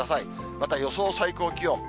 また予想最高気温。